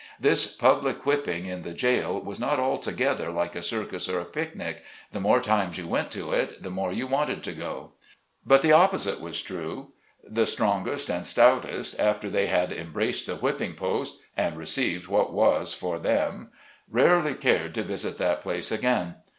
This public whipping in the jail was not alto gether like a circus or a picnic — the more times you went to it the more you wanted to go. But the opposite was true : the strongest and stoutest, after 82 SLAVE CABIN TO PULPIT. they had embraced the whipping post, and received what was for them, rarely cared to visit that place again.